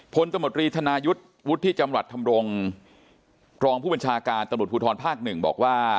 ตมตรีธนายุทธ์วุฒิจำรัฐธรรมรงค์รองผู้บัญชาการตำรวจภูทรภาคหนึ่งบอกว่า